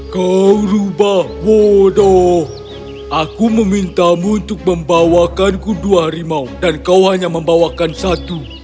kau rubah bodoh aku memintamu untuk membawakanku dua harimau dan kau hanya membawakan satu